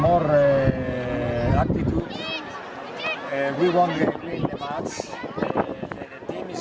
menang dengan lebih berburu dengan lebih beraktifitas